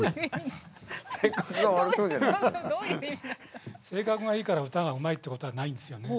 性格がいいから歌がうまいってことはないんですよね。